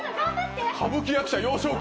歌舞伎役者幼少期。